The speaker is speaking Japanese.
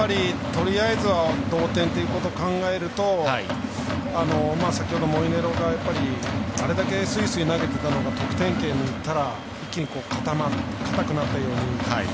とりあえずは同点ということを考えると先ほどモイネロがあれだけ、すいすい投げてたのが得点圏にいったら一気にかたくなったように。